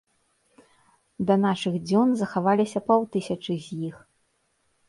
Да нашых дзён захаваліся паўтысячы з іх.